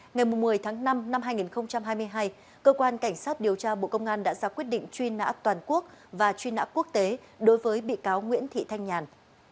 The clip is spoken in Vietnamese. ngày một mươi tháng năm năm hai nghìn hai mươi hai cơ quan cảnh sát điều tra bộ công an đã ra quyết định truy nã toàn quốc và truy nã quốc tế đối với bị cáo nguyễn thị thanh nhàn